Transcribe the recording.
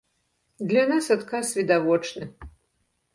Для нас адказ відавочны.